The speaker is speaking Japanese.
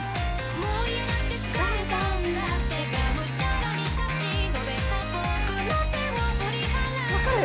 もう嫌だって疲れたんだってがむしゃらに差し伸べた僕の手を振り払う君わかる！